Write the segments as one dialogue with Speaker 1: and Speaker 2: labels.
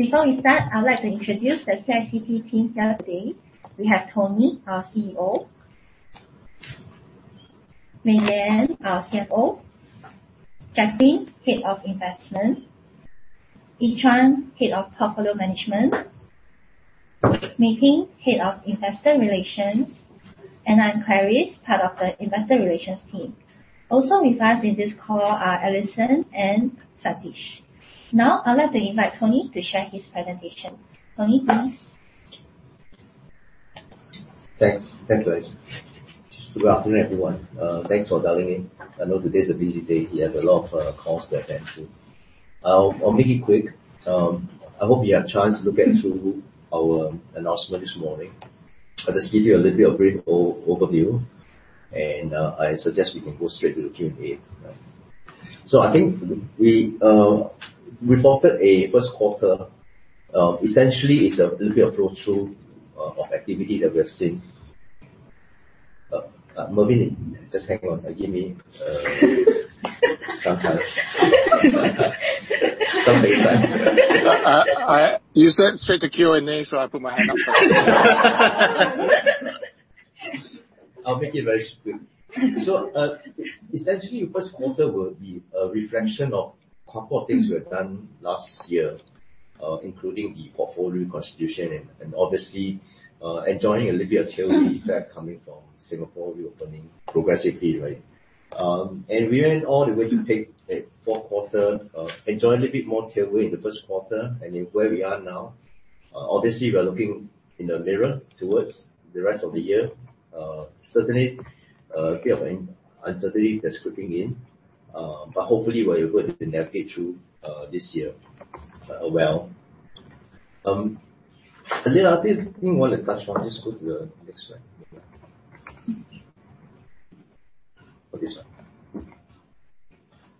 Speaker 1: Before we start, I would like to introduce the CICT team here today. We have Tony, our CEO. Mei Lian, our CFO. Jacqueline, Head, Investment. Yi Chuan, Head, Portfolio Management. Mei Ping, Head of Investor Relations, and I'm Clarisse, part of the Investor Relations team. Also with us in this call are Alison and Satish. Now, I'd like to invite Tony to share his presentation. Tony, please.
Speaker 2: Thanks. Thanks, Clarisse. Good afternoon, everyone. Thanks for dialing in. I know today's a busy day here, a lot of calls to attend to. I'll make it quick. I hope you had a chance to look into our announcement this morning. I'll just give you a little bit of brief overview, and I suggest we can go straight to the Q&A. I think we reported a first quarter. Essentially, it's a little bit of flow through of activity that we have seen. Mervyn, just hang on. Give me some time.
Speaker 3: You said straight to Q&A, so I put my hand up first.
Speaker 2: I'll make it very quick. Essentially, first quarter will be a reflection of a couple of things we have done last year, including the portfolio reconstitution and obviously, enjoying a little bit of tailwind effect coming from Singapore reopening progressively, right? We ran all the way to take a fourth quarter, enjoy a little bit more tailwind in the first quarter and where we are now. Obviously, we are looking in the mirror towards the rest of the year. Certainly, a bit of uncertainty that's creeping in. Hopefully we're able to navigate through this year well. There are a few more things to touch on. Just go to the next slide. Okay.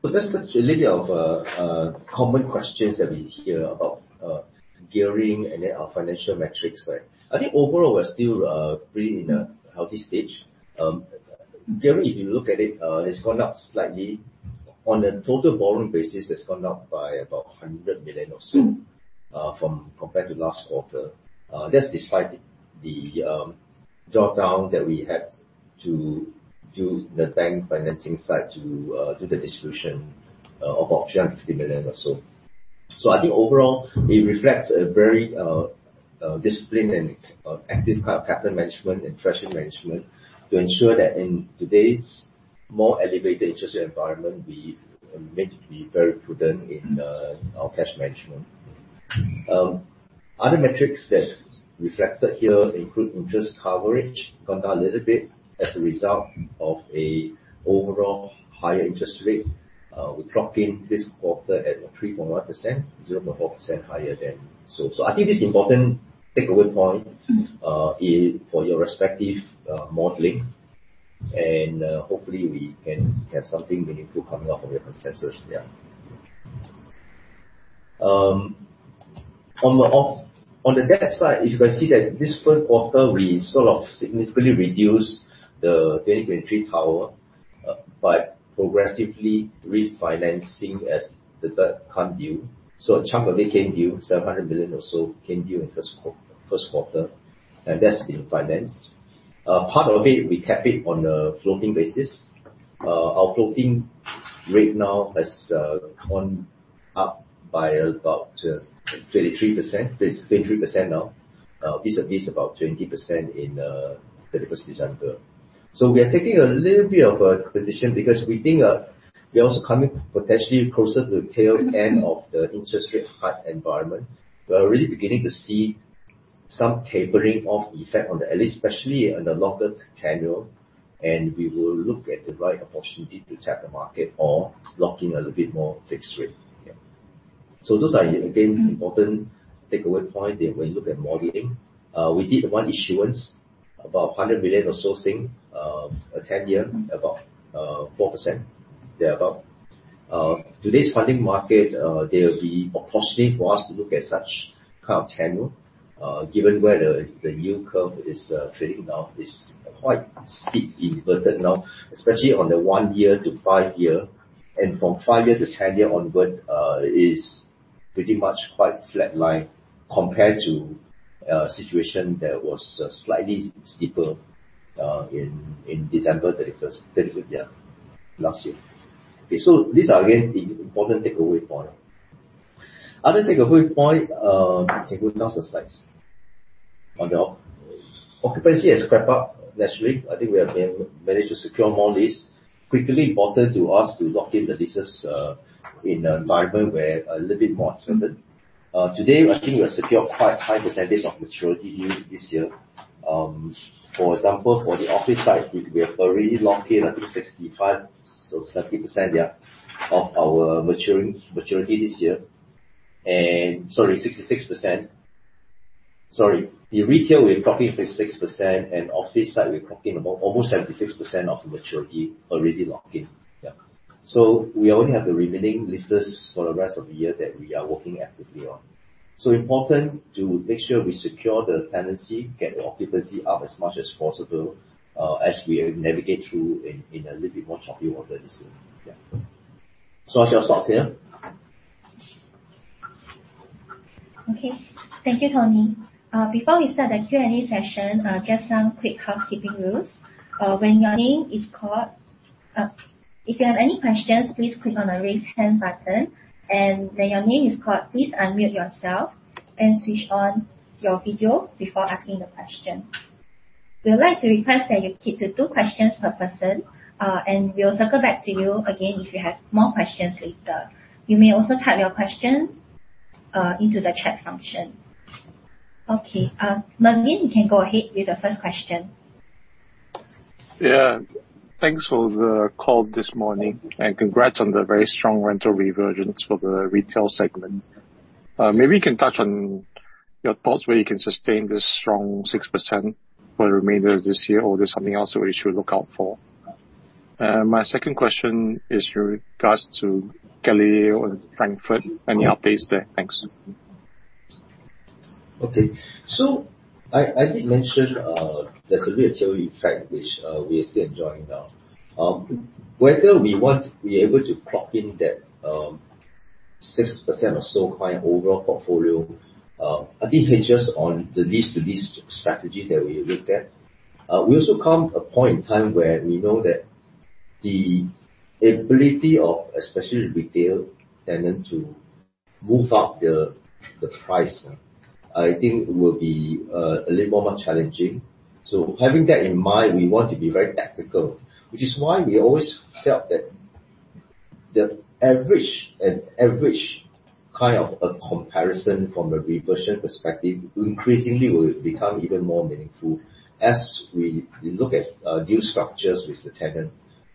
Speaker 2: That's a little bit of common questions that we hear about gearing and then our financial metrics. I think overall, we're still really in a healthy stage. Gearing, if you look at it, has gone up slightly on a total borrowing basis. It's gone up by about 100 million or so from compared to last quarter. That's despite the drop-down that we had to do the bank financing side to do the distribution of option 50 million or so. I think overall, it reflects a very disciplined and active capital management and treasury management to ensure that in today's more elevated interest rate environment, we make to be very prudent in our cash management. Other metrics that's reflected here include interest coverage, gone down a little bit as a result of an overall higher interest rate. We clocked in this quarter at 3.1%, 0.4% higher than. I think this important takeaway point for your respective modeling, and hopefully, we can have something meaningful coming off of your consensus, yeah. On the debt side, if you can see that this first quarter, we sort of significantly reduced the bank maturity tower by progressively refinancing as the debt comes due. A chunk of it came due, 700 million or so came due in the first quarter, and that's been financed. Part of it, we kept it on a floating basis. Our floating rate now has gone up by about 23% now. Vis-à-vis about 20% in 31st December. We are taking a little bit of a position because we think we are also coming potentially closer to the tail end of the interest rate hike environment. We are really beginning to see some tapering off effect on the, at least especially in the longer tenure, and we will look at the right opportunity to tap the market or lock in a little bit more fixed rate. Those are, again, important takeaway point that when you look at modeling. We did one issuance, about 100 million or so, a 10-year, about 4% there about. Today's funding market, there will be opportunity for us to look at such kind of tenure, given where the yield curve is trading now is quite steeply inverted now, especially on the one-year to five-year and from 5-year-10-year onward, is pretty much quite flat line compared to a situation that was slightly steeper in December 31st last year. These are, again, the important takeaway point. Other takeaway point, including our sites. On the occupancy has crept up naturally. I think we have managed to secure more lease. Quickly important to us to lock in the leases in an environment where a little bit more uncertain. Today, I think we have secured quite a high percentage of maturity due this year. For example, for the office side, we have already locked in, I think 65% or 70% there of our maturity this year. sorry, 66%. Sorry. In retail, we're clocking 66%, and office side, we're clocking about almost 76% of maturity already locked in. We only have the remaining leases for the rest of the year that we are working actively on. important to make sure we secure the tenancy, get the occupancy up as much as possible as we navigate through in a little bit more choppy water this year. I shall stop here.
Speaker 1: Okay. Thank you, Tony. Before we start the Q&A session, just some quick housekeeping rules. If you have any questions, please click on the raise hand button, and when your name is called, please unmute yourself and switch on your video before asking the question. We would like to request that you keep it to two questions per person, and we will circle back to you again if you have more questions later. You may also type your question into the chat function. Okay, Mervyn, you can go ahead with the first question.
Speaker 3: Yeah. Thanks for the call this morning, and congrats on the very strong rental reversion for the retail segment. Maybe you can touch on your thoughts, where you can sustain this strong 6% for the remainder of this year or there is something else that we should look out for. My second question is with regards to Gallileo and Frankfurt. Any updates there? Thanks.
Speaker 2: Okay. I did mention there is a retail effect, which we are still enjoying now. Whether we are able to clock in that 6% or so kind of overall portfolio, I think hinges on the lease-to-lease strategy that we looked at. We also come a point in time where we know that the ability of, especially retail tenant to move up the price, I think will be a little more challenging. Having that in mind, we want to be very tactical. Which is why we always felt that the average kind of a comparison from a reversion perspective increasingly will become even more meaningful as we look at new structures with the tenant,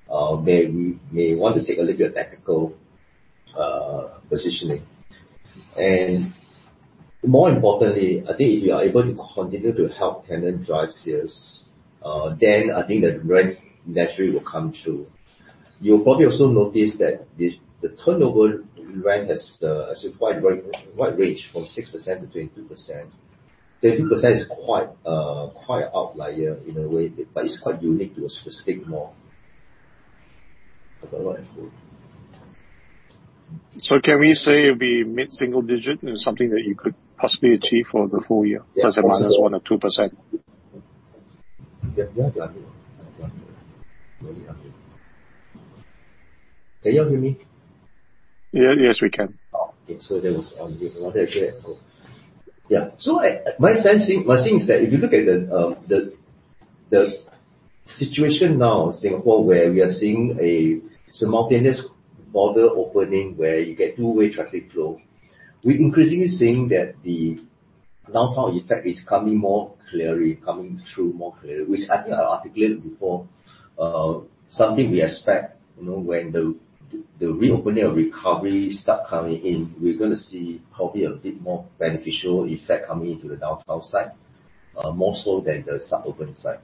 Speaker 2: where we may want to take a little bit of tactical positioning. More importantly, I think if we are able to continue to help tenant drive sales, then I think the rent naturally will come through. You will probably also notice that the turnover rent has a quite wide range from 6% to 22%, 22% is quite outlier in a way, but it is quite unique to a specific mall.
Speaker 3: Can we say it will be mid-single digit is something that you could possibly achieve for the full year?
Speaker 2: Yes.
Speaker 3: ±1% or ±2%?
Speaker 2: Can you all hear me?
Speaker 3: Yes, we can.
Speaker 2: Okay. That was on mute. Okay, cool. My sense is that if you look at the situation now in Singapore where we are seeing a simultaneous border opening where you get two-way traffic flow, we're increasingly seeing that the downtown effect is coming more clearly, coming through more clearly, which I think I articulated before, something we expect when the reopening of recovery start coming in. We're going to see probably a bit more beneficial effect coming into the downtown side, more so than the suburban side.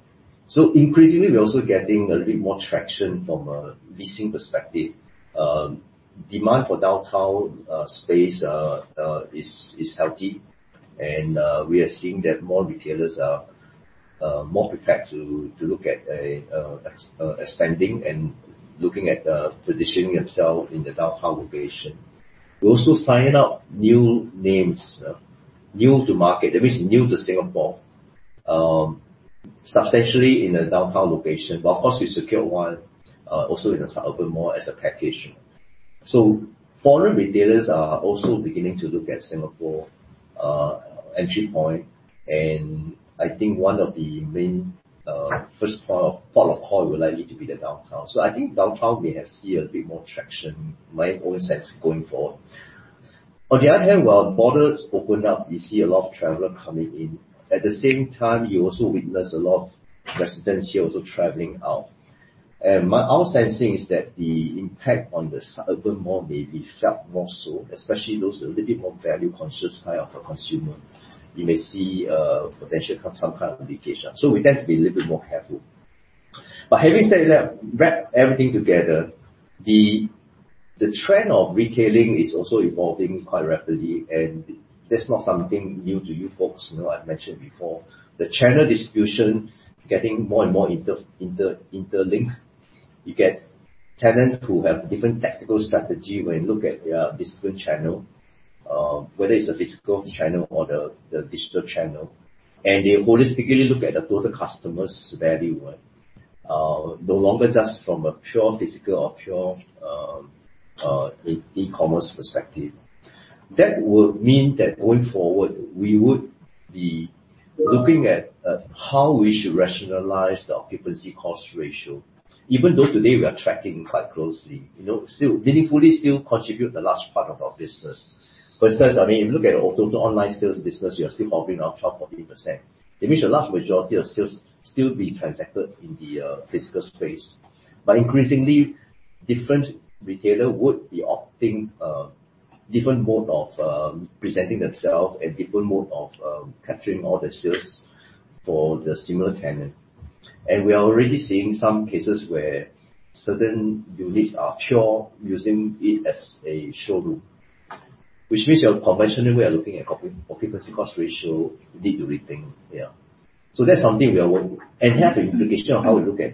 Speaker 2: Increasingly, we're also getting a little bit more traction from a leasing perspective. Demand for downtown space is healthy, and we are seeing that more retailers are more prepared to look at expanding and looking at positioning themselves in the downtown location. We're also signing up new names, new to market, that means new to Singapore, substantially in the downtown location. Of course, we secured one also in the suburban mall as a package. Foreign retailers are also beginning to look at Singapore entry point, and I think one of the main first port of call will likely to be the downtown. I think downtown may have seen a bit more traction, my own sense, going forward. On the other hand, while borders opened up, you see a lot of traveler coming in. At the same time, you also witness a lot of residents here also traveling out. Our sensing is that the impact on the suburban mall may be felt more so, especially those a little bit more value conscious buyer for consumer. You may see potential some kind of implication. We have to be a little bit more careful. Having said that, wrap everything together, the trend of retailing is also evolving quite rapidly, and that's not something new to you folks. You know I've mentioned before, the channel distribution getting more and more interlinked. You get tenants who have different tactical strategy when you look at their distribution channel, whether it's a physical channel or the digital channel. They holistically look at the total customer's value, no longer just from a pure physical or pure e-commerce perspective. That would mean that going forward, we would be looking at how we should rationalize the occupancy cost ratio, even though today we are tracking quite closely. Meaningfully still contribute the large part of our business. For instance, if you look at total online sales business, we are still hovering around 12%-14%, that means the large majority of sales still being transacted in the physical space. Increasingly, different retailer would be opting different mode of presenting themselves and different mode of capturing all the sales for the similar tenant. We are already seeing some cases where certain units are pure using it as a showroom. Which means your conventional way of looking at occupancy cost ratio need to rethink. That's something we are working, and have the implication of how we look at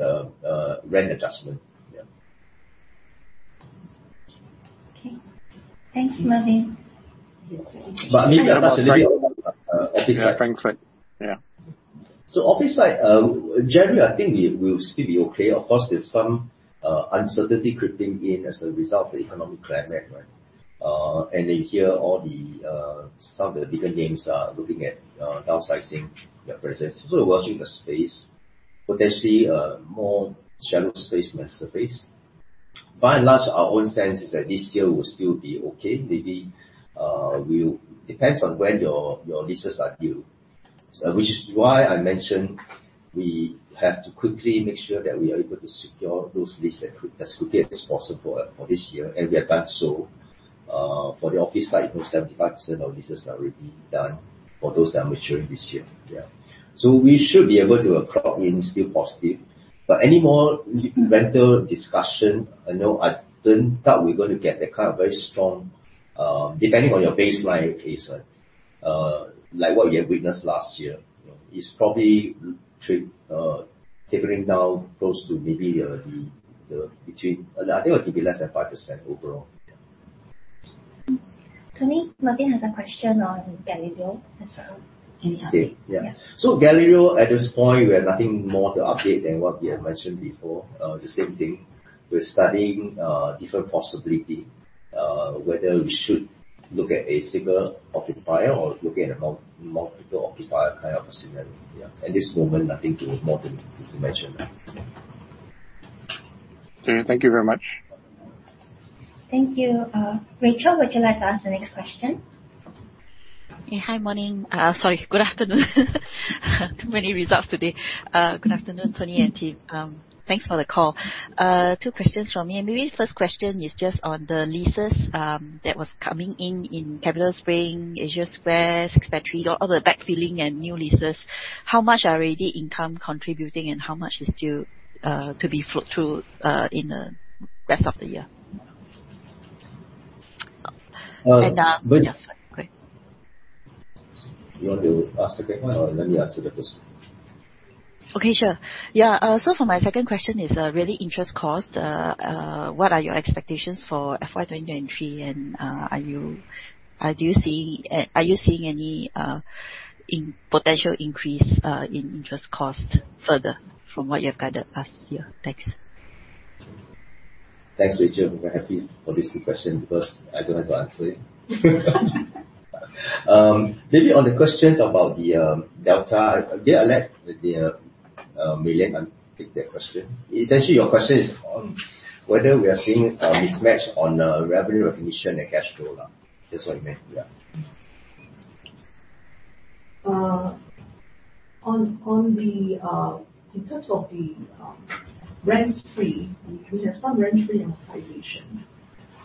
Speaker 2: rent adjustment.
Speaker 1: Okay. Thanks, Mervyn.
Speaker 2: Maybe I'll ask a little bit about office side.
Speaker 3: Yeah, frankly. Yeah.
Speaker 2: Office side, generally, I think we will still be okay. Of course, there's some uncertainty creeping in as a result of the economic climate, right? You hear some of the bigger names are looking at downsizing their presence. We're watching the space, potentially more general space than sublease By and large, our own sense is that this year will still be okay. Maybe depends on when your leases are due. Which is why I mentioned we have to quickly make sure that we are able to secure those leases as quickly as possible for this year, and we have done so. For the office side, almost 75% of leases are already done for those that are maturing this year. Yeah. We should be able to clock in still positive. Any more rental discussion, I know I don't think we're going to get that kind of very strong, depending on your baseline case, like what we have witnessed last year. It's probably tapering down close to less than 5% overall. Yeah.
Speaker 1: Tony, Mervyn has a question on Gallileo as well. Any update?
Speaker 2: Okay. Yeah. Gallileo, at this point, we have nothing more to update than what we have mentioned before. The same thing. We're studying different possibility, whether we should look at a single occupier or look at a multiple occupier kind of a scenario. Yeah. At this moment, nothing more to mention.
Speaker 3: Tony, thank you very much.
Speaker 1: Thank you. Rachel, would you like to ask the next question?
Speaker 4: Hey, hi, morning. Sorry. Good afternoon. Too many results today. Good afternoon, Tony and team. Thanks for the call. Two questions from me. Maybe first question is just on the leases that was coming in in CapitaSpring, Asia Square, Six Battery, all the backfilling and new leases. How much are already income contributing and how much is due to be flowed through in the rest of the year?
Speaker 2: You want to ask the second or let me answer the first one?
Speaker 4: Okay, sure. Yeah. For my second question is really interest cost. What are your expectations for FY 2023? Are you seeing any potential increase in interest cost further from what you've guided last year? Thanks.
Speaker 2: Thanks, Rachel. We're happy for these two questions because I don't have to answer it. Maybe on the questions about the delta, I'll let Mei Lian take that question. Essentially, your question is on whether we are seeing a mismatch on the revenue recognition and cash flow. That's what you meant. Yeah.
Speaker 5: In terms of the rent-free, we have some rent-free amortization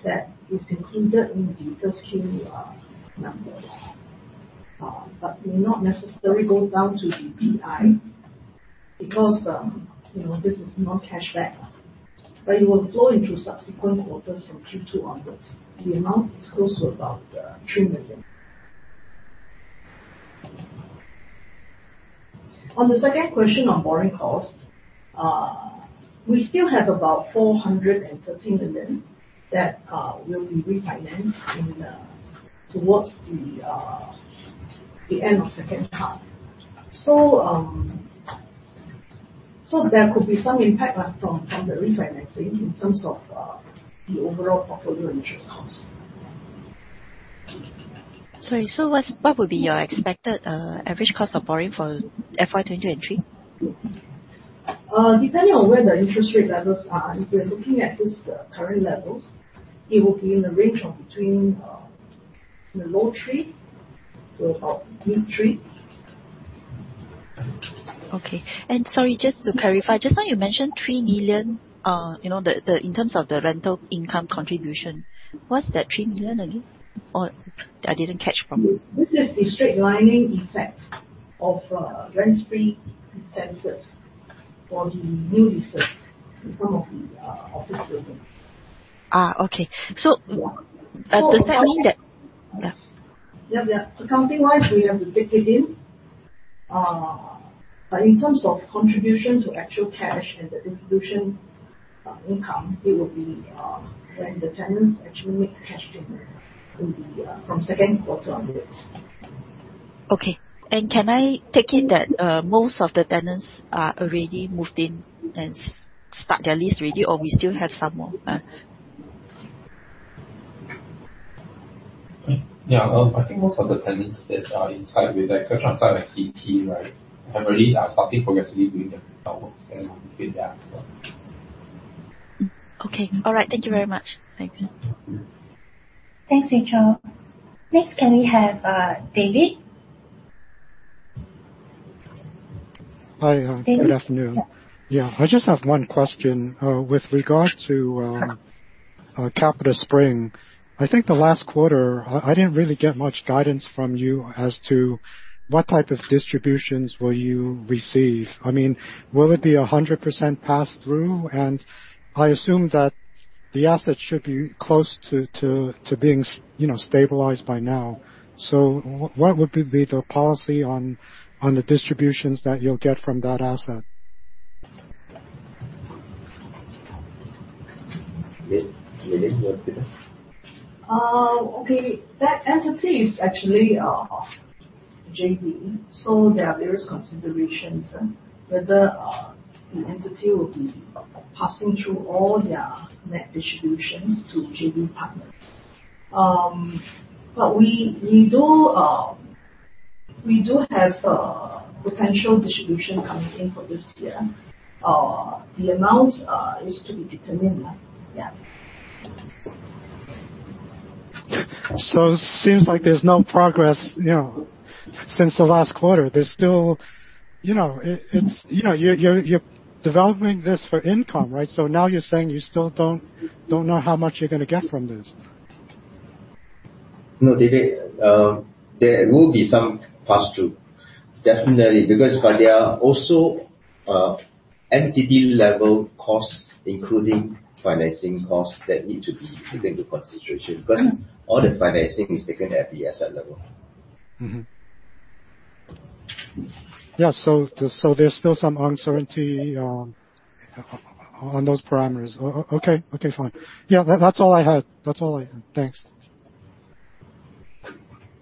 Speaker 5: that is included in the 1Q numbers. May not necessarily go down to the P&L because this is not cash back. It will flow into subsequent quarters from Q2 onwards. The amount is close to about 3 million. On the second question on borrowing cost, we still have about 413 million that will be refinanced towards the end of second half. There could be some impact from the refinancing in terms of the overall portfolio interest cost.
Speaker 4: Sorry, what would be your expected average cost of borrowing for FY 2023?
Speaker 5: Depending on where the interest rate levels are, if you're looking at this current levels, it will be in the range of between the low three to about mid three.
Speaker 4: Okay. Sorry, just to clarify, just now you mentioned 3 million, in terms of the rental income contribution. What's that 3 million again? I didn't catch.
Speaker 5: This is the straight lining effect of rent-free incentives for the new leases in some of the office buildings.
Speaker 4: Okay.
Speaker 5: Yeah.
Speaker 4: Does that mean that, yeah.
Speaker 5: Accounting-wise, we have to take it in. In terms of contribution to actual cash and the contribution income, it would be when the tenants actually make the cash payment from second quarter onwards.
Speaker 4: Okay. Can I take it that most of the tenants are already moved in and start their lease already, or we still have some more?
Speaker 2: Yeah. I think most of the tenants that are inside with the exception of like CICT, have already started progressively doing their fit-out works then moving in after.
Speaker 4: Okay. All right. Thank you very much. Bye.
Speaker 1: Thanks, Rachel. Next, can we have David?
Speaker 6: Hi.
Speaker 1: David?
Speaker 6: Good afternoon.
Speaker 1: Yeah.
Speaker 6: Yeah, I just have one question. With regards to CapitaSpring, I think the last quarter, I didn't really get much guidance from you as to what type of distributions will you receive. Will it be 100% pass-through? I assume that the asset should be close to being stabilized by now. What would be the policy on the distributions that you'll get from that asset?
Speaker 2: Lian, do you want to take that?
Speaker 5: Okay. That entity is actually a JV, there are various considerations, whether the entity will be passing through all their net distributions to JV partners. We do have potential distribution coming in for this year. The amount is to be determined. Yeah.
Speaker 6: It seems like there's no progress since the last quarter. You're developing this for income, right? Now you're saying you still don't know how much you're going to get from this.
Speaker 2: No, David, there will be some pass-through. Definitely. There are also entity-level costs, including financing costs, that need to be put into consideration, because all the financing is taken at the asset level.
Speaker 6: Mm-hmm. Yeah, there's still some uncertainty on those parameters. Okay, fine. Yeah, that's all I had. Thanks.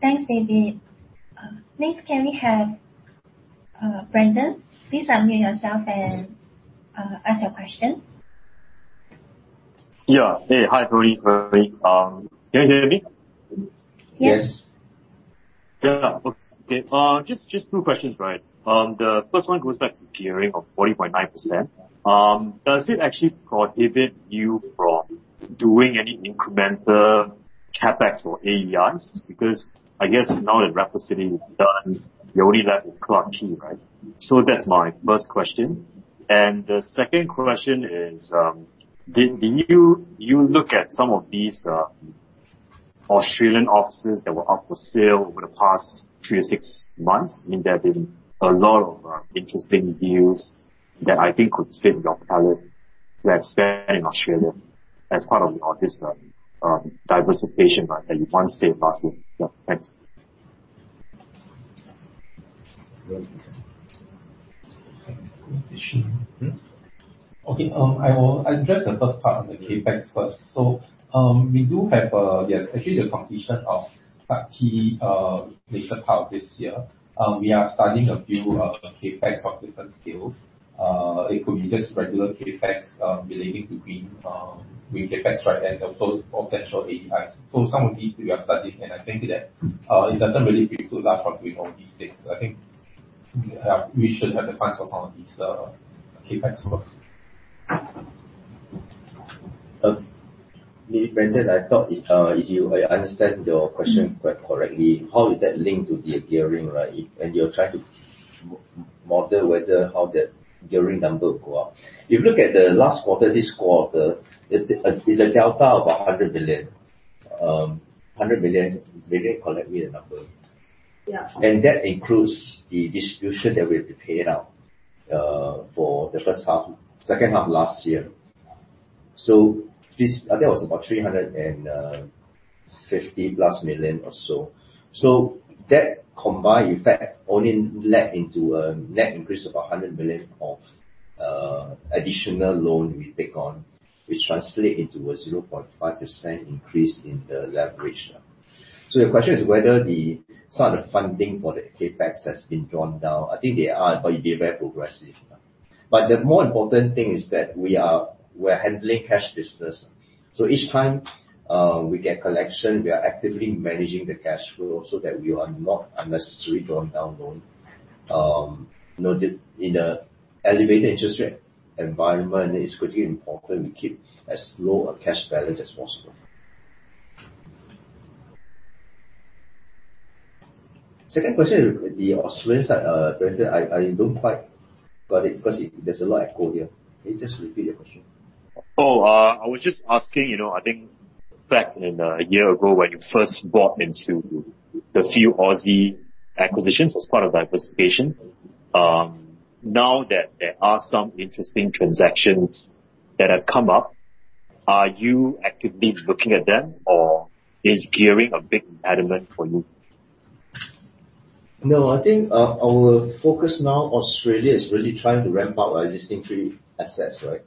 Speaker 1: Thanks, David. Next, can we have Brandon? Please unmute yourself and ask your question.
Speaker 7: Yeah. Hey. Hi, Tony. Can you hear me?
Speaker 2: Yes.
Speaker 7: Yeah. Okay. Just two questions, Tony. The first one goes back to the gearing of 40.9%. Does it actually prohibit you from doing any incremental CapEx for AEIs? Because I guess now that Raffles City is done, you're only left with Clarke Quay, right? That's my first question. The second question is, did you look at some of these Australian offices that were up for sale over the past three to six months? There have been a lot of interesting deals that I think could fit your palate to have spent in Australia as part of this diversification that you once said last year. Yeah, thanks.
Speaker 2: Okay. I'll address the first part on the CapEx first. We do have, yes, actually the completion of Clarke Quay later part of this year. We are starting a few CapEx of different scales. It could be just regular CapEx relating to Green CapEx, right? Also potential AEIs. Some of these we are studying, and I think that it doesn't really preclude us from doing all these things. I think we should have the plans for some of these CapEx first. Maybe, Brandon, I thought, if I understand your question quite correctly, how is that linked to the gearing, right? You're trying to model whether how that gearing number will go up. If you look at the last quarter, this quarter, it's a delta of 100 million. Correct me the number. That includes the distribution that we have to pay now for the second half of last year. That was about 350+ million or so. That combined effect only led into a net increase of 100 million of additional loan we take on, which translate into a 0.5% increase in the leverage. The question is whether the sort of funding for the CapEx has been drawn down. I think they are, but it'll be very progressive. The more important thing is that we're handling cash business. Each time we get collection, we are actively managing the cash flow so that we are not unnecessarily drawn down loan. In an elevated interest rate environment, it's critically important we keep as low a cash balance as possible. Second question, the Australian side, Brandon, I don't quite got it because there's a lot echo here. Can you just repeat your question?
Speaker 7: I was just asking, I think back in one year ago, when you first bought into the few Aussie acquisitions as part of diversification, now that there are some interesting transactions that have come up, are you actively looking at them or is gearing a big impediment for you?
Speaker 2: I think our focus now Australia is really trying to ramp up our existing three assets, right?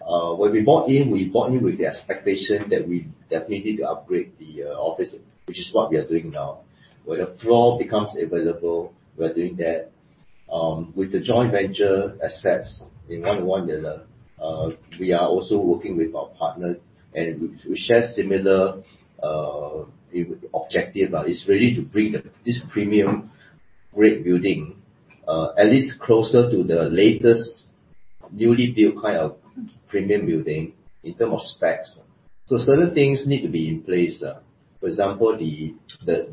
Speaker 2: When we bought in, we bought in with the expectation that we definitely need to upgrade the office, which is what we are doing now. Where the floor becomes available, we are doing that. With the joint venture assets in 111, we are also working with our partner, and we share similar objective. It's really to bring this premium, great building, at least closer to the latest newly built kind of premium building in term of specs. Certain things need to be in place. For example, the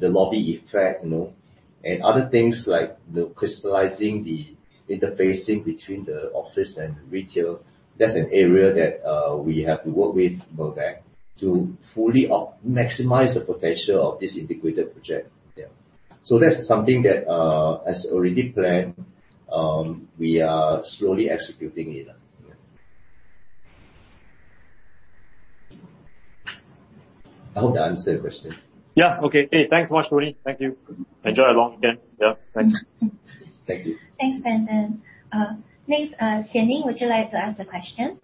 Speaker 2: lobby effect, and other things like the crystallizing the interfacing between the office and retail. That's an area that we have to work with Mirvac to fully maximize the potential of this integrated project. Yeah. That's something that has already planned. We are slowly executing it. I hope that answered your question.
Speaker 7: Yeah, okay. Hey, thanks much, Tony. Thank you. Enjoy your long weekend. Yeah, thanks.
Speaker 2: Thank you.
Speaker 1: Thanks, Brandon. Next, Xianying, would you like to ask the question?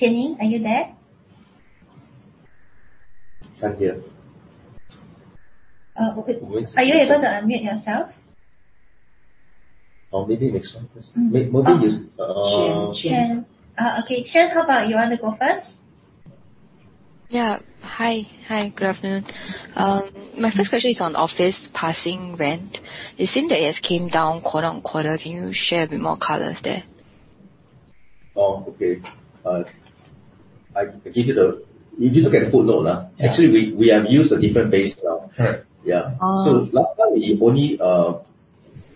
Speaker 1: Xianying, are you there?
Speaker 2: Xianying?
Speaker 1: Are you able to unmute yourself?
Speaker 2: Maybe next one, please.
Speaker 1: Shen. Shen, how about you want to go first?
Speaker 8: Hi. Good afternoon. My first question is on office passing rent. It seems that it has come down quarter-on-quarter. Can you share a bit more colors there?
Speaker 2: Oh, okay. If you look at the footnote. Actually, we have used a different base now. Yeah. Last time we only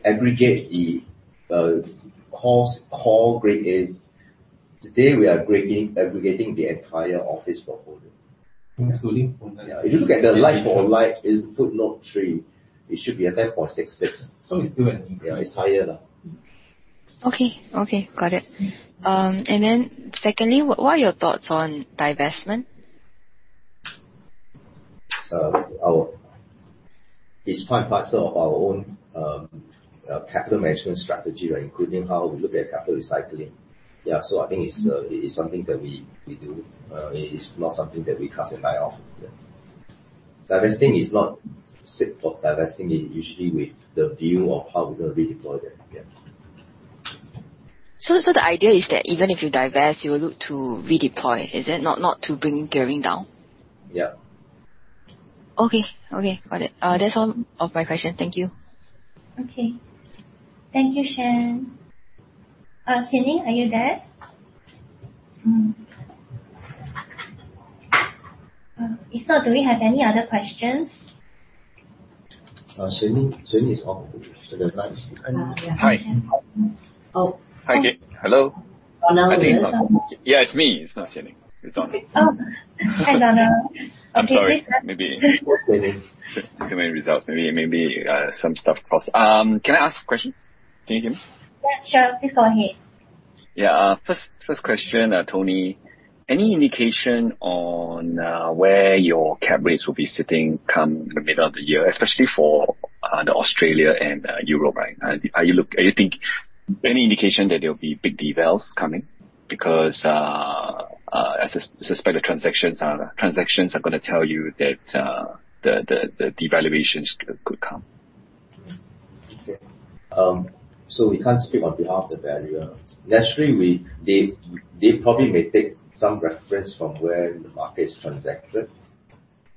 Speaker 2: aggregate the core Grade A. Today, we are aggregating the entire office portfolio. Yeah. If you look at the like for like in footnote three, it should be at 10.66. Yeah. It's higher now.
Speaker 8: Okay. Got it. Secondly, what are your thoughts on divestment?
Speaker 2: It's part and parcel of our own capital management strategy, including how we look at capital recycling. Yeah, I think it's something that we do. It is not something that we cast a die off, yeah. Divesting is not simple. Divesting is usually with the view of how we're going to redeploy that, yeah.
Speaker 8: The idea is that even if you divest, you will look to redeploy. Is that not to bring gearing down?
Speaker 2: Yeah.
Speaker 8: Okay. Got it. That's all of my questions. Thank you.
Speaker 1: Okay. Thank you, Shen. Xianying, are you there? If not, do we have any other questions?
Speaker 2: Xianying is off. She doesn't answer.
Speaker 9: Hi.
Speaker 1: Oh.
Speaker 9: Hi. Hello?
Speaker 1: Donald, is it you?
Speaker 9: Yeah, it's me. It's not Xianying. It's Donald.
Speaker 1: Oh. Hi, Donald.
Speaker 9: I'm sorry.
Speaker 2: Welcome, Donald.
Speaker 9: Too many results. Maybe some stuff crossed. Can I ask questions? Can you hear me?
Speaker 1: Yeah, sure. Please go ahead.
Speaker 9: Yeah. First question, Tony. Any indication on where your cap rates will be sitting come the middle of the year, especially for the Australia and Europe? Any indication that there will be big devaluations coming because, as I suspect, the transactions are going to tell you that the devaluations could come.
Speaker 2: We can't speak on behalf of the valuer. Naturally, they probably may take some reference from where the market is transacted.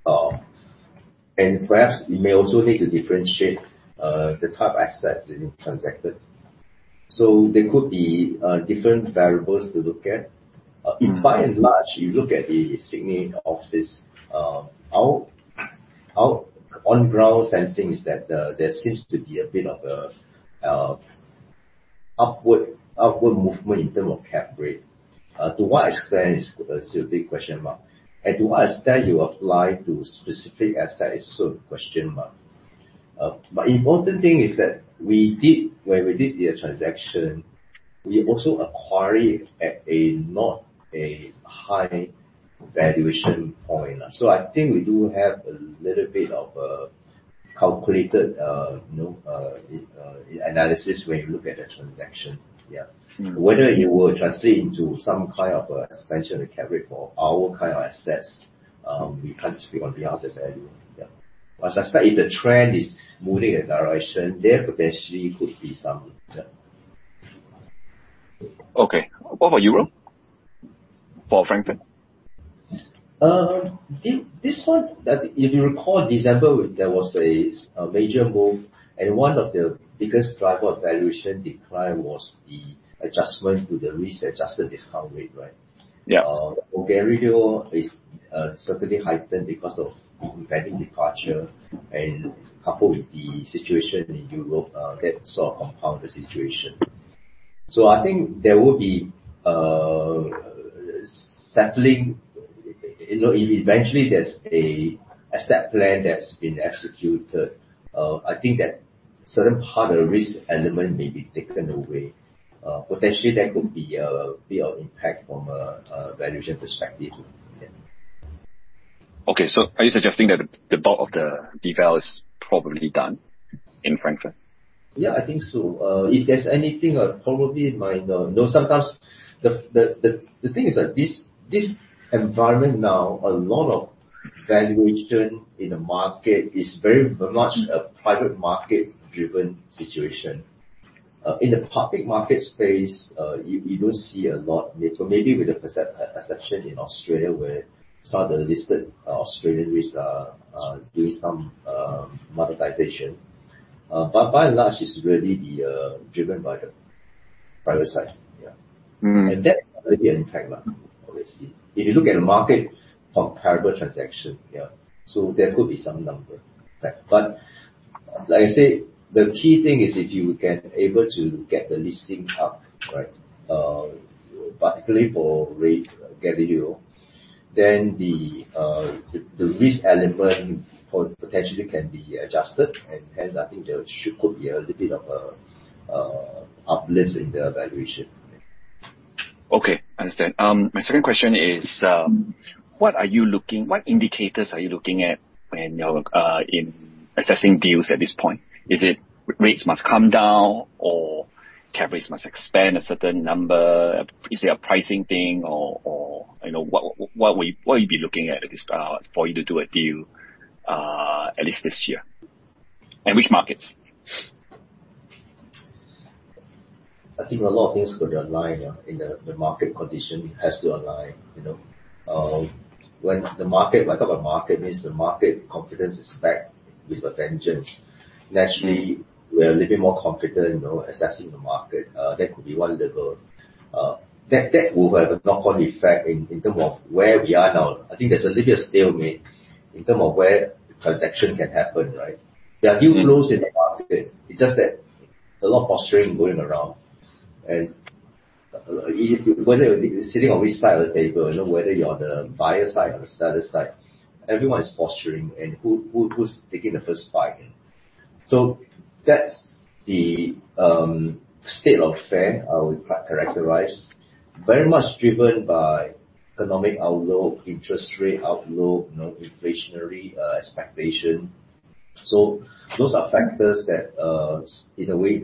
Speaker 2: Perhaps we may also need to differentiate the type of assets being transacted. There could be different variables to look at. By and large, you look at the Sydney office, our on-ground sensing is that there seems to be a bit of a upward movement in terms of cap rate. To what extent is still a big question mark, and to what extent you apply to specific asset is still a question mark. Important thing is that when we did the transaction, we also acquired at a not a high valuation point. I think we do have a little bit of a calculated analysis when you look at the transaction. Yeah. Whether it will translate into some kind of expansion of the cap rate for our kind of assets, we can't speak on behalf of the valuer. Yeah. I suspect if the trend is moving in that direction, there potentially could be some, yeah.
Speaker 9: Okay. What about Europe? For Frankfurt?
Speaker 2: If you recall, December, there was a major move and one of the biggest driver of valuation decline was the adjustment to the risk-adjusted discount rate, right?
Speaker 9: Yeah.
Speaker 2: Volatility is certainly heightened because of banking debacle and coupled with the situation in Europe, that sort of compounded the situation. I think there will be a settling. Eventually, there's an asset plan that's been executed. I think that certain part of the risk element may be taken away. Potentially, there could be a bit of impact from a valuation perspective. Yeah.
Speaker 9: Okay. Are you suggesting that the bulk of the devaluations is probably done in Frankfurt?
Speaker 2: Yeah, I think so. The thing is that this environment now, a lot of valuation in the market is very much a private market-driven situation. In the public market space, you don't see a lot, maybe with the exception in Australia, where some of the listed Australian REITs are doing some monetization. By and large, it's really driven by the private side. That will be an impact, obviously, if you look at the market for comparable transaction. There could be some number. Like I said, the key thing is if you can able to get the leasing up, right? Particularly for REIT Gallileo, the risk element potentially can be adjusted, and hence, I think there could be a little bit of an uplift in the valuation.
Speaker 9: Okay. Understand. My second question is, what indicators are you looking at in assessing deals at this point? Is it rates must come down or cap rates must expand a certain number? Is it a pricing thing, or what will you be looking at for you to do a deal, at least this year? Which markets?
Speaker 2: I think a lot of things could align in the market condition. It has to align. When the market means the market confidence is back with a vengeance. Naturally, we are a little bit more confident assessing the market. That could be one level. That will have a knock-on effect in terms of where we are now. I think there's a little stalemate in terms of where the transaction can happen, right? There are deal flows in the market. It's just that there's a lot of posturing going around. Whether you're sitting on which side of the table, whether you're on the buyer side or the seller side, everyone is posturing and who's taking the first spike. That's the state of play, we characterize. Very much driven by economic outlook, interest rate outlook, inflationary expectation. Those are factors that, in a way,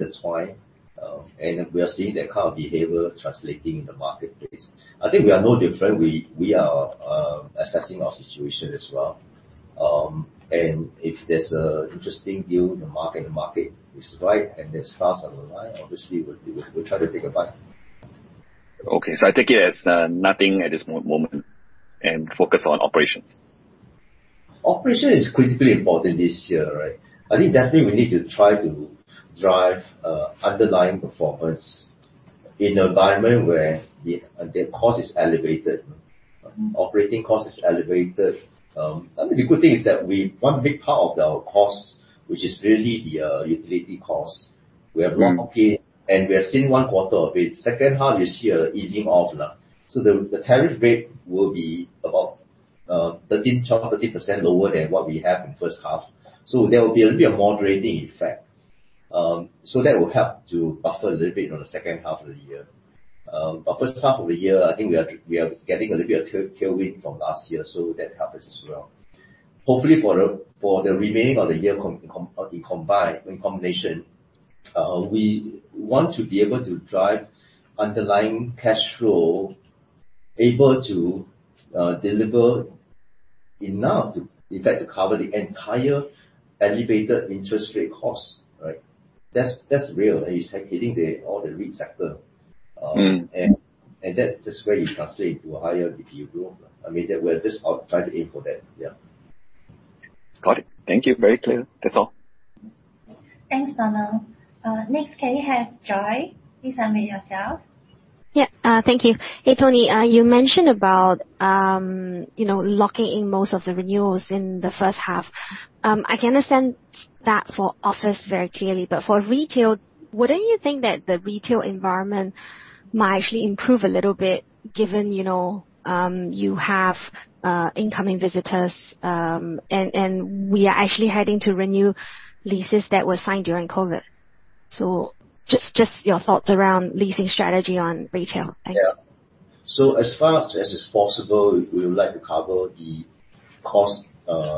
Speaker 2: intertwine, we are seeing that kind of behavior translating in the marketplace. I think we are no different. We are assessing our situation as well. If there's an interesting deal in the market, the market is right, the stars are aligned, obviously we'll try to take a bite.
Speaker 9: Okay. I take it as nothing at this moment, and focus on operations.
Speaker 2: Operation is critically important this year, right? I think definitely we need to try to drive underlying performance in an environment where the cost is elevated. Operating cost is elevated. The good thing is that one big part of our cost, which is really the utility cost
Speaker 9: Right.
Speaker 2: We have locked in, and we are seeing one quarter of it. Second half, you see an easing off. The tariff rate will be about 12%, 13% lower than what we have in the first half. There will be a little bit of a moderating effect. That will help to buffer a little bit on the second half of the year. First half of the year, I think we are getting a little bit of tailwind from last year, so that help us as well. Hopefully, for the remaining of the year in combination, we want to be able to drive underlying cash flow, able to deliver enough, in fact, to cover the entire elevated interest rate cost, right? That's real, and it's hitting all the REIT sector. That is where you translate to a higher DPU growth. We're just trying to aim for that. Yeah.
Speaker 9: Got it. Thank you. Very clear. That's all.
Speaker 1: Thanks, Donald. Next, can we have Joy? Please unmute yourself.
Speaker 10: Yeah. Thank you. Hey, Tony. You mentioned about linking most of the renewals in the first half. I can understand that for office very clearly, but for retail, wouldn't you think that the retail environment might actually improve a little bit given you have incoming visitors, and we are actually having to renew leases that were signed during COVID? Just your thoughts around leasing strategy on retail. Thanks.
Speaker 2: As fast as is possible, we would like to cover the cost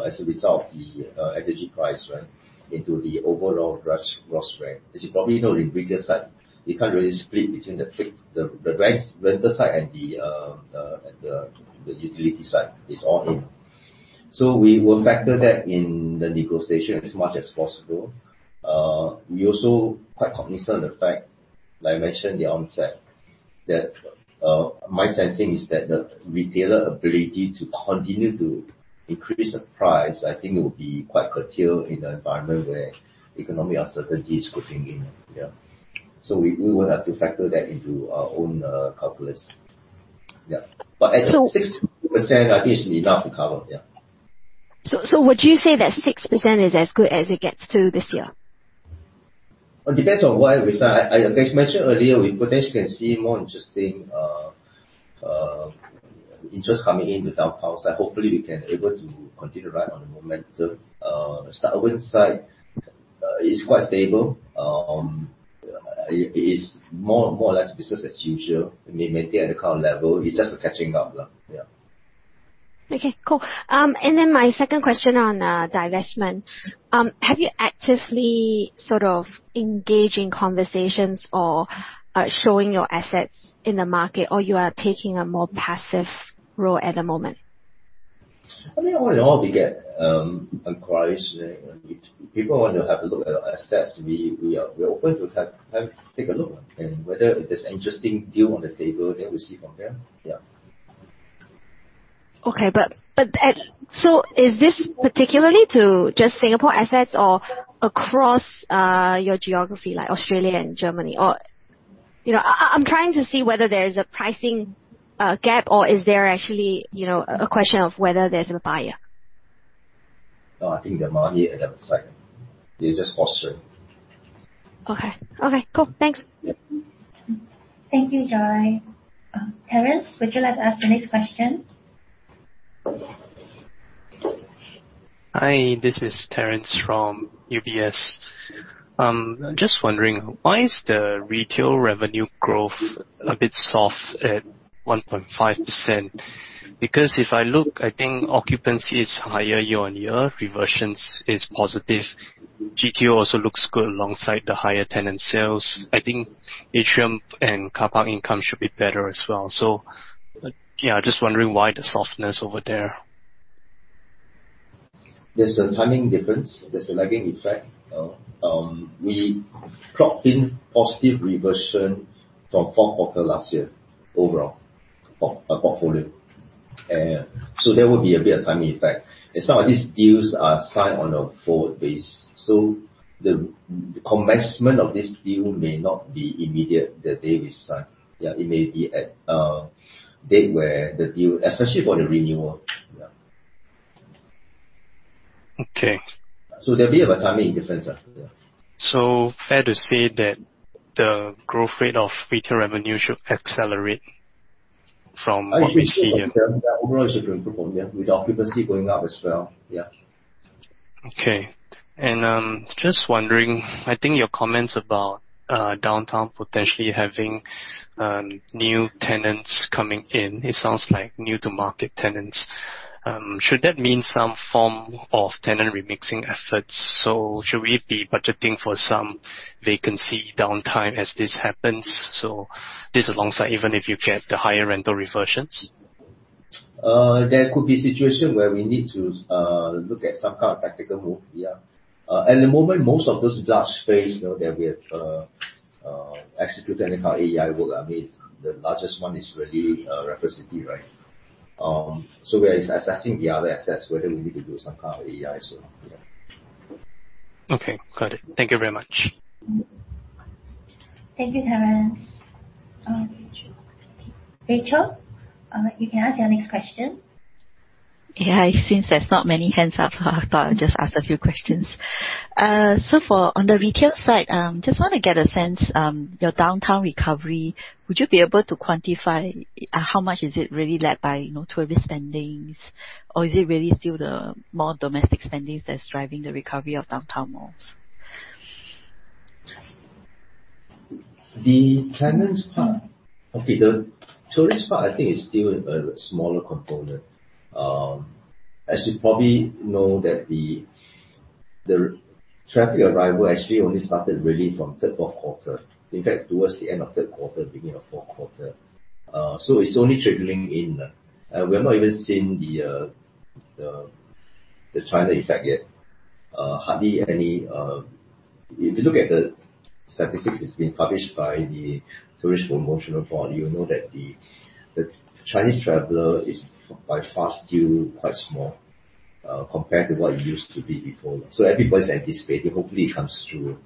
Speaker 2: as a result of the energy price rent into the overall gross rent. As you probably know, the bigger side, you can't really split between the fixed, the renter side and the utility side. It's all in. We will factor that in the negotiation as much as possible. We also are quite cognizant of the fact, like I mentioned at the onset, that my sensing is that the retailer ability to continue to increase the price, I think it will be quite curtailed in an environment where economic uncertainty is creeping in. We will have to factor that into our own calculus, 6%, I think it's enough to cover.
Speaker 10: Would you say that 6% is as good as it gets too this year?
Speaker 2: It depends on what we sell. As mentioned earlier, we potentially can see more interest coming in the downtown core. Hopefully, we can able to continue to ride on the momentum. The suburban side is quite stable. It is more or less business as usual. We may maintain at the current level. It's just catching up.
Speaker 10: Okay. Cool. My second question on divestment. Have you actively sort of engaged in conversations or showing your assets in the market, or you are taking a more passive role at the moment?
Speaker 2: I mean, all in all, we get inquiries. People want to have a look at our assets. We are open to take a look, whether there's an interesting deal on the table, we'll see from there. Yeah.
Speaker 10: Okay. Is this particularly to just Singapore assets or across your geography, like Australia and Germany? I'm trying to see whether there's a pricing gap or is there actually a question of whether there's a buyer?
Speaker 2: No, I think the amount here at that site, they just posture.
Speaker 10: Okay, cool. Thanks.
Speaker 1: Thank you, Joy. Terence, would you like to ask the next question?
Speaker 11: Hi, this is Terence from UBS. I am just wondering, why is the retail revenue growth a bit soft at 1.5%? If I look, I think occupancy is higher year-on-year, reversions is positive. GTO also looks good alongside the higher tenant sales. I think atrium and car park income should be better as well. Just wondering why the softness over there.
Speaker 2: There is a timing difference. There is a lagging effect. We clocked in positive reversion from fourth quarter last year overall, for our portfolio. There will be a bit of timing effect. Some of these deals are signed on a forward base. The commencement of this deal may not be immediate the day we sign. Yeah, it may be a date where the deal, especially for the renewal. Yeah.
Speaker 11: Okay.
Speaker 2: There'll be a timing difference there.
Speaker 11: Fair to say that the growth rate of retail revenue should accelerate from what we see here?
Speaker 2: Overall should improve, yeah. With occupancy going up as well. Yeah.
Speaker 11: Okay. Just wondering, I think your comments about Downtown potentially having new tenants coming in, it sounds like new-to-market tenants. Should that mean some form of tenant remixing efforts? Should we be budgeting for some vacancy downtime as this happens? This alongside even if you get the higher rental reversions?
Speaker 2: There could be situation where we need to look at some kind of tactical move. Yeah. At the moment, most of those large space that we have executed any kind of AEI work, the largest one is really Raffles City. We are assessing the other assets, whether we need to do some kind of AEI as well. Yeah.
Speaker 11: Okay, got it. Thank you very much.
Speaker 1: Thank you, Terence. Rachel, you can ask your next question.
Speaker 4: Yeah, since there's not many hands up, I thought I'd just ask a few questions. On the retail side, just want to get a sense, your downtown recovery, would you be able to quantify how much is it really led by tourist spendings? Or is it really still the more domestic spendings that's driving the recovery of downtown malls?
Speaker 2: The tenants part. Okay, the tourist part I think is still a smaller component. As you probably know that the traffic arrival actually only started really from third, fourth quarter. In fact, towards the end of third quarter, beginning of fourth quarter. It's only trickling in. We have not even seen the China effect yet. If you look at the statistics that's been published by the Singapore Tourism Board, you know that the Chinese traveler is by far still quite small, compared to what it used to be before. Everybody's anticipating, hopefully it comes through.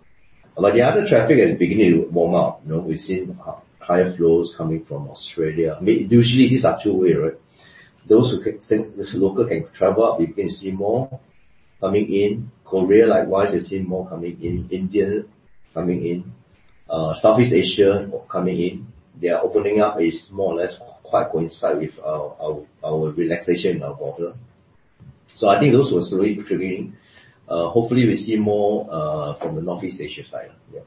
Speaker 2: The other traffic is beginning to warm up. We've seen higher flows coming from Australia. Usually these are two-way. Those local can travel out, you can see more coming in. Korea, likewise, you're seeing more coming in. India, coming in. Southeast Asia, coming in. Their opening up is more or less quite coincide with our relaxation in our border. I think those will slowly trickling in. Hopefully we see more from the Northeast Asia side. Yeah.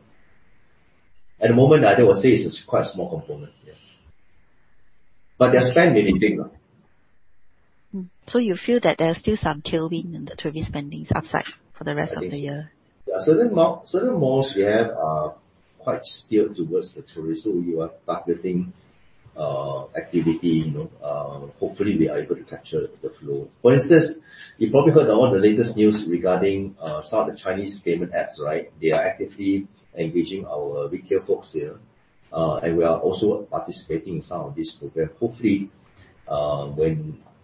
Speaker 2: At the moment, I would say it's quite a small component. Yeah. Their spend may be big.
Speaker 4: You feel that there's still some tailwind in the tourist spendings upside for the rest of the year?
Speaker 2: Yeah. Certain malls we have are quite skewed towards the tourist. We are targeting activity. Hopefully we are able to capture the flow. For instance, you probably heard about the latest news regarding some of the Chinese payment apps. They are actively engaging our retail folks here. We are also participating in some of this program.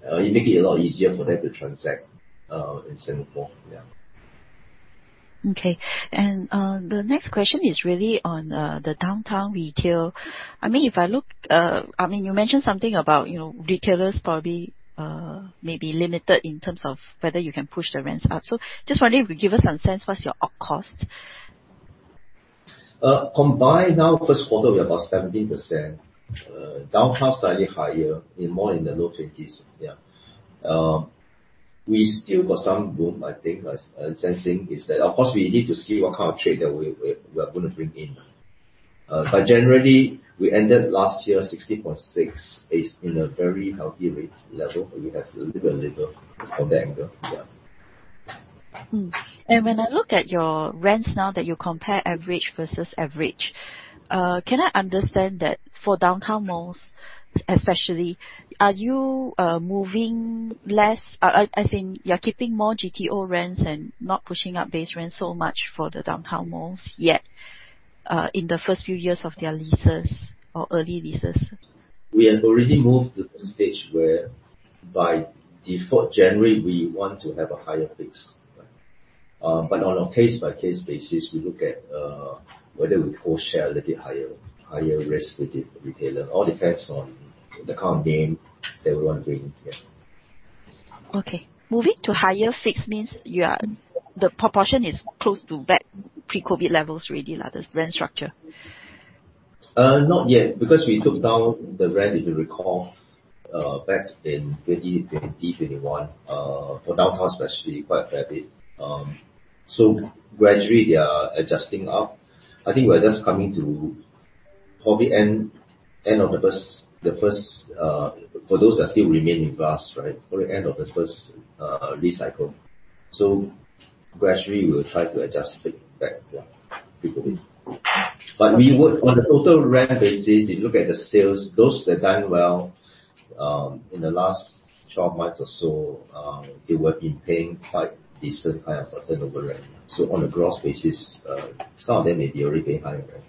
Speaker 2: It make it a lot easier for them to transact in Singapore. Yeah.
Speaker 4: Okay. The next question is really on the downtown retail. You mentioned something about retailers probably may be limited in terms of whether you can push the rents up. Just wondering if you could give us some sense, what's your occupancy cost?
Speaker 2: Combined now first quarter, we're about 17%, downtown slightly higher in more in the low 20s. We still got some room I think, sensing is that, of course, we need to see what kind of trade that we are going to bring in. Generally, we ended last year 16.6% is in a very healthy rate level. We have to deliver a little from that angle.
Speaker 4: When I look at your rents now that you compare average versus average, can I understand that for downtown malls especially, are you moving less? As in you're keeping more GTO rents and not pushing up base rents so much for the downtown malls yet, in the first few years of their leases or early leases?
Speaker 2: We have already moved to the stage where by default, generally, we want to have a higher fix. On a case-by-case basis, we look at whether we co-share a little bit higher risk with the retailer. All depends on the kind of game that we want to bring.
Speaker 4: Okay. Moving to higher fixed means the proportion is close to back pre-COVID levels really, the rent structure.
Speaker 2: Not yet, because we took down the rent, if you recall, back in 2020, 2021, for downtown especially, quite a fair bit. Gradually, they are adjusting up. I think we're just coming to probably end of the first, for those that still remain in-class, for the end of the first lease cycle. Gradually, we will try to adjust it back, yeah, to COVID. On the total rent basis, if you look at the sales, those that have done well in the last 12 months or so, they would be paying quite decent kind of percent over rent. On a gross basis, some of them may be already paying higher rent.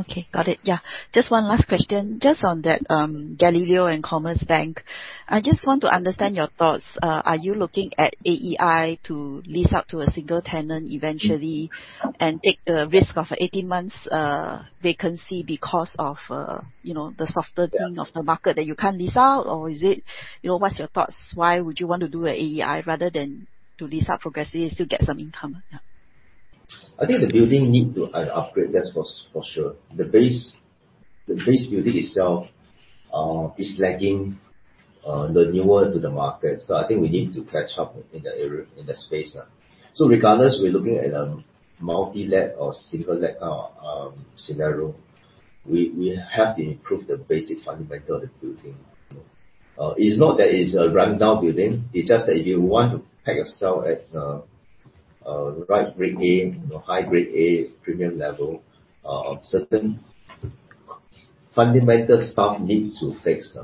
Speaker 4: Okay, got it. Yeah. Just one last question. Just on that Gallileo and Commerzbank, I just want to understand your thoughts. Are you looking at AEI to lease out to a single tenant eventually and take the risk of 18 months vacancy because of the softer thing of the market that you cannot lease out? What's your thoughts? Why would you want to do an AEI rather than to lease out progressively to get some income? Yeah.
Speaker 2: I think the building need to upgrade, that's for sure. The base building itself is lagging the newer to the market. I think we need to catch up in that space now. Regardless, we're looking at a multi-let or single-let scenario. We have to improve the basic fundamental of the building. It's not that it's a rundown building, it's just that if you want to peg yourself as a right Grade A, high Grade A premium level, certain fundamental stuff need to fix.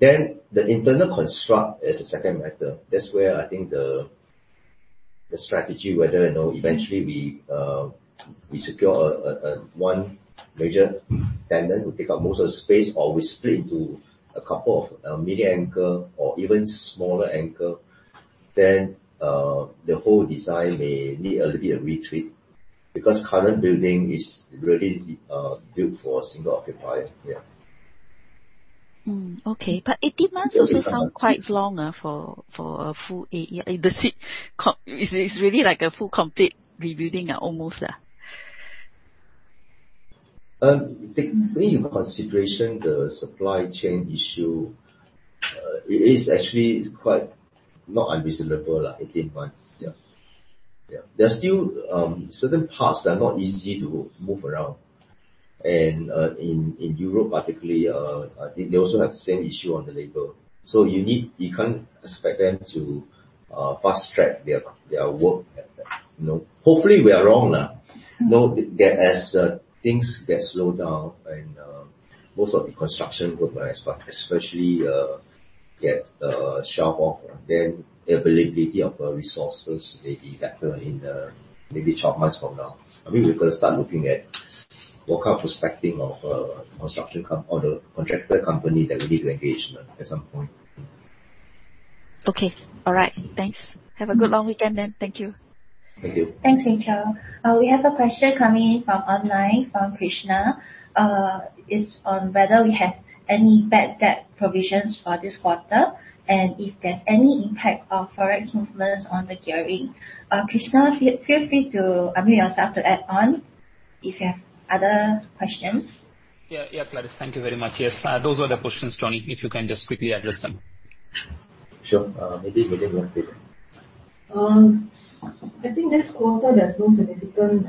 Speaker 2: Then the internal construct is the second factor. That's where I think the strategy, whether eventually we secure one major tenant who take up most of the space or we split into a couple of mini anchor or even smaller anchor, then the whole design may need a little bit of retreat because current building is really built for a single occupier. Yeah.
Speaker 4: Okay, 18 months also sound quite long for a full AEI. It's really like a full, complete rebuilding almost.
Speaker 2: Taking into consideration the supply chain issue, it is actually quite not unreasonable, 18 months. Yeah. There are still certain parts that are not easy to move around. In Europe particularly, I think they also have the same issue on the labor. You can't expect them to fast-track their work. Hopefully we are wrong. As things get slowed down and most of the construction work, especially get shelf off, then the availability of resources may be better in maybe 12 months from now. I think we better start looking at what kind of prospecting of construction or the contractor company that we need to engage at some point.
Speaker 4: Okay. All right. Thanks. Have a good long weekend then. Thank you.
Speaker 2: Thank you.
Speaker 1: Thanks, Rachel. We have a question coming in from online from Krishna. It's on whether we have any bad debt provisions for this quarter and if there's any impact of Forex movements on the gearing. Krishna, feel free to unmute yourself to add on if you have other questions.
Speaker 12: Yeah, Clarisse, thank you very much. Yes. Those were the questions, Tony, if you can just quickly address them.
Speaker 2: Sure. Maybe you can go ahead, please.
Speaker 5: I think this quarter there's no significant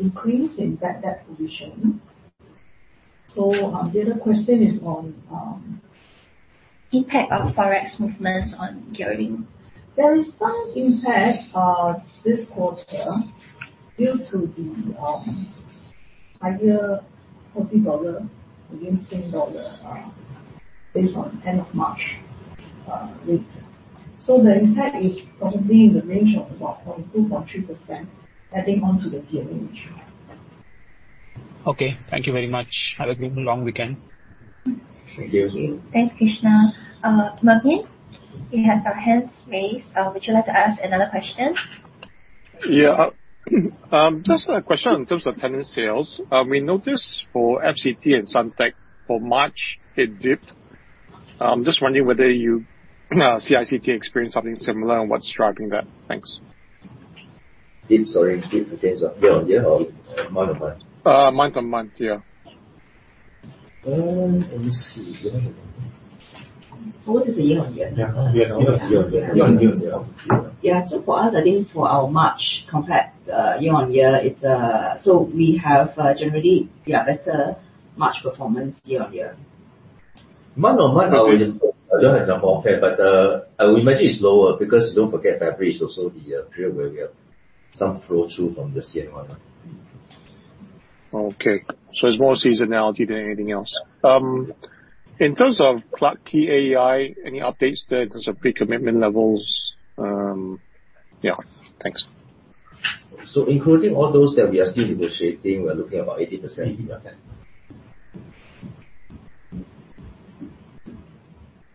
Speaker 5: increase in bad debt provision.
Speaker 1: Impact of Forex movements on gearing
Speaker 5: There is some impact this quarter due to the higher Aussie dollar against Singapore dollar based on 10th of March rate. The impact is probably in the range of about 0.2%-0.3% adding on to the gearing.
Speaker 12: Okay. Thank you very much. Have a good long weekend.
Speaker 2: Thank you as well.
Speaker 1: Thanks, Krishna. Mervyn, you have your hands raised. Would you like to ask another question?
Speaker 3: Yeah. Just a question in terms of tenant sales. We noticed for FCT and Suntec for March, it dipped. I am just wondering whether you, CICT, experienced something similar and what is driving that. Thanks.
Speaker 2: Sorry, dipped in terms of year-on-year or month-on-month?
Speaker 3: Month-on-month, yeah.
Speaker 2: Let me see.
Speaker 5: For us it's year-on-year.
Speaker 2: Yeah. Year-on-year.
Speaker 5: Yeah. For us, I think for our March compared year-on-year, we have generally better March performance year-on-year.
Speaker 2: Month-on-month, I don't have the number offhand, but I would imagine it's lower because don't forget February is also the period where we have some flow-through from the CNY.
Speaker 3: Okay. It's more seasonality than anything else.
Speaker 2: Yeah.
Speaker 3: In terms of Clarke Quay AEI, any updates there in terms of pre-commitment levels? Yeah. Thanks.
Speaker 2: Including all those that we are still negotiating, we're looking about 80%-85%.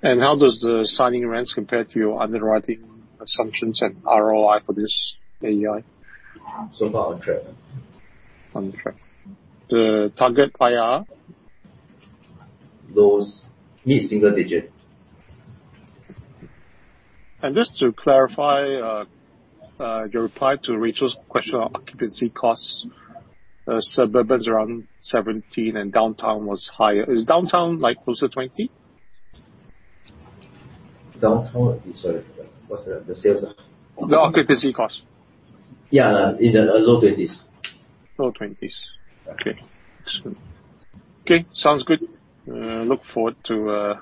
Speaker 3: How does the signing rents compare to your underwriting assumptions and ROI for this AEI?
Speaker 2: Far on track.
Speaker 3: On track. The target IRR?
Speaker 2: Those mid-single digit.
Speaker 3: Just to clarify your reply to Rachel's question on occupancy costs, suburbans around 17 and downtown was higher. Is downtown closer to 20?
Speaker 2: Downtown, sorry, what's that? The sales?
Speaker 3: The occupancy cost.
Speaker 2: Yeah. In the low 20s.
Speaker 3: Low 20s. Okay. Okay, sounds good. Look forward to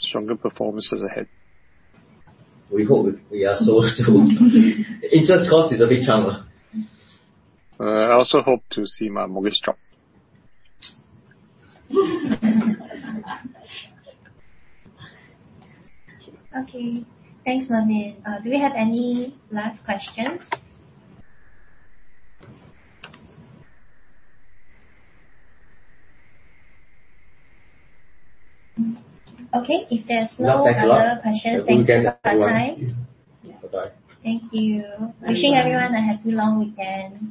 Speaker 3: stronger performances ahead.
Speaker 2: We hope. We are so too. Interest cost is a big challenge.
Speaker 3: I also hope to see my mortgage drop.
Speaker 1: Okay. Thanks, Mervyn. Do we have any last questions? Okay. If there's no other questions.
Speaker 2: Thanks a lot.
Speaker 1: Thank you for your time.
Speaker 2: Bye.
Speaker 1: Thank you. Wishing everyone a happy long weekend.